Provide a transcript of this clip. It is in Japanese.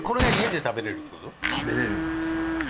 食べられるんですよ。